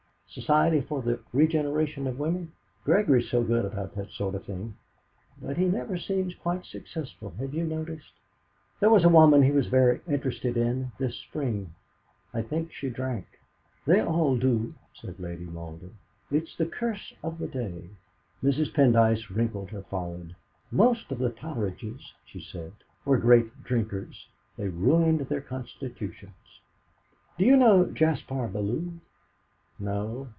'Society for the Regeneration of Women'. Gregory's so good about that sort of thing. But he never seems quite successful, have you noticed? There was a woman he was very interested in this spring. I think she drank." "They all do," said Lady Malden; "it's the curse of the day." Mrs. Pendyce wrinkled her forehead. "Most of the Totteridges," she said, "were great drinkers. They ruined their constitutions. Do you know Jaspar Bellew?" "No."